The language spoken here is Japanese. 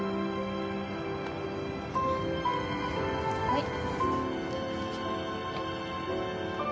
はい。